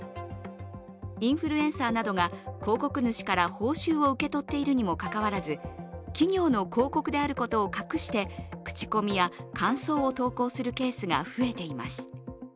インフルエンサーなどが広告主から報酬を受け取っているにもかかわらず、企業の広告であることを隠して口コミや感想を投稿するケースが増えています。